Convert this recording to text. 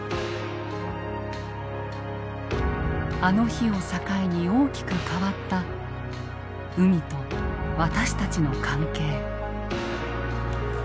あの日を境に大きく変わった海と私たちの関係。